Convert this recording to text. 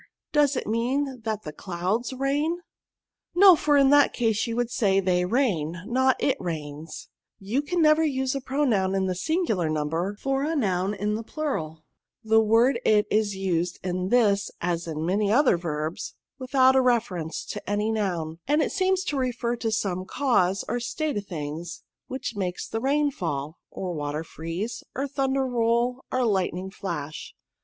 Does it mean that the clouds rain?" " No ; for in that case you would say, the!/ rain, not it rains ; you can never use a pro noun in the singular number, for a noun in the pluraL The word it is used in this as in many other verbs, without a reference to any noun, and seems to refer to some cause, or state of things, which makes the rain fall, or water freeze, or thunder roll, or lightning flash.